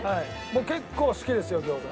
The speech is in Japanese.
僕結構好きですよ餃子。